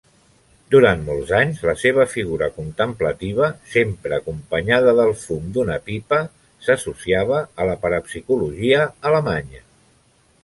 Durant molts anys, la seva figura contemplativa, sempre acompanyada del fum d'una pipa, s'associava a la parapsicologia alemanya.